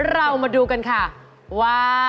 เรามาดูกันค่ะว่า